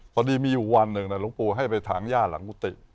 พอดีมีอยู่วันหนึ่งหลวงปู่ให้ไปถางย่าหลังกุฏิ